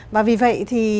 và vì vậy thì